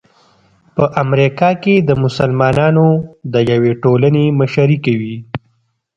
په امریکا کې د مسلمانانو د یوې ټولنې مشري کوي.